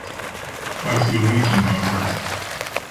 I feel weak in my heart.